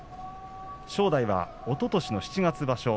正代は、おととし七月場所